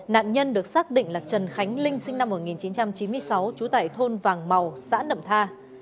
nạn nhân được xác định là trần khánh linh sinh năm một nghìn chín trăm chín mươi sáu trú tại thôn vàng màu xã nậm tha